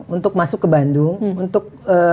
untuk masuk ke bandung untuk